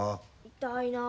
痛いなあ。